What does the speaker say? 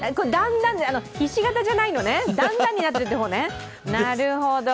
ひし形じゃないのね、段々になってるのね、なるほど。